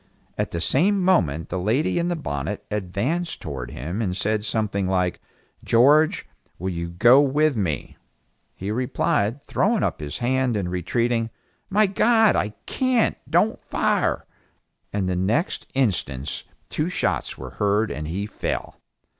At the same moment the lady in the bonnet advanced towards him and said something like, "George, will you go with me?" He replied, throwing up his hand and retreating, "My God I can't, don't fire," and the next instants two shots were heard and he fell.